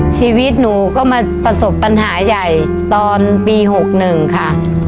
ชีวิตหนูก็มาประสบปัญหาใหญ่ตอนปี๖๑ค่ะ